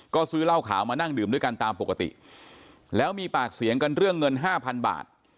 ก็ซื้อเหล้าขาวมานั่งดื่มด้วยกันตามปกติแล้วมีปากเสียงกันเรื่องเงินห้าพันบาท